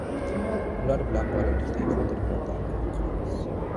Ular bilan bolalikdagi xotiralardan gurung qilamiz.